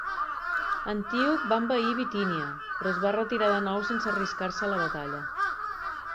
Antíoc va envair Bitínia, però es va retirar de nou sense arriscar-se a la batalla.